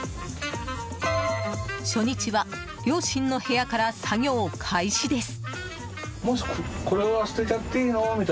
初日は両親の部屋から作業開始です。